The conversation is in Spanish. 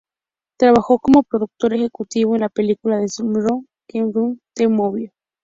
Trabajó como productor ejecutivo en la película de Mike Reiss, "Queer Duck: The Movie".